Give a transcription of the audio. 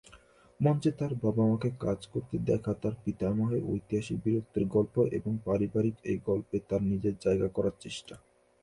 মঞ্চে তার বাবা-মাকে কাজ করতে দেখা, তার পিতামহের ঐতিহাসিক বীরত্বের গল্প, এবং পারিবারিক এই শিল্পে তার নিজের জায়গা করার চেষ্টা।